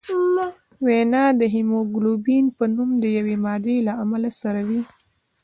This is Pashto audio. وینه د هیموګلوبین په نوم د یوې مادې له امله سره وي